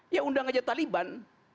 ya undang aja taliban